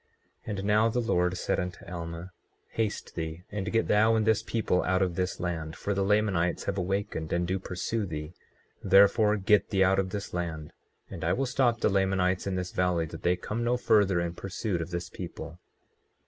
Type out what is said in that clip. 24:23 And now the Lord said unto Alma: Haste thee and get thou and this people out of this land, for the Lamanites have awakened and do pursue thee; therefore get thee out of this land, and I will stop the Lamanites in this valley that they come no further in pursuit of this people.